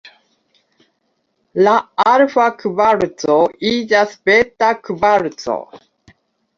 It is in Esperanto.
La alfa kvarco iĝas beta kvarco.